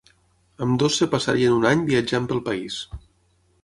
Ambdós es passarien un any viatjant pel país.